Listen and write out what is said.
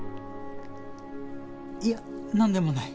いやなんでもない。